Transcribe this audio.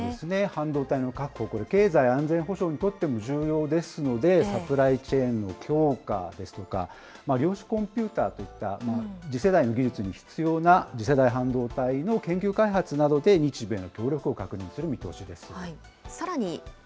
半導体の確保、これ、経済安全保障にとっても重要ですので、サプライチェーンの強化ですとか、量子コンピューターといった次世代の技術に必要な次世代半導体の研究開発などで日米の協力を確認する見通しです。